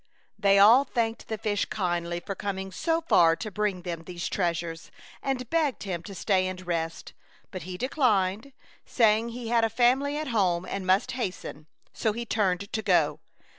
They all thanked the fish kindly for coming so far to bring them these treasures, and begged him to stay and rest, but he declined, saying he had a farnily at home and must hasten, so he turned to go.